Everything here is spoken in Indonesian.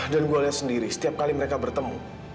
dan gue lihat sendiri setiap kali mereka bertemu